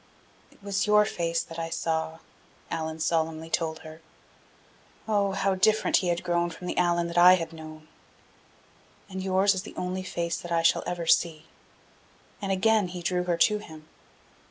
"It was your face that I saw," Allan solemnly told her oh, how different he had grown from the Allan that I had known! "and yours is the only face that I shall ever see." And again he drew her to him.